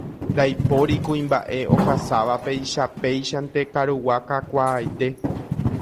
Ndaipóri kuimba'e ohasáva peichapéichante karugua kakuaaite.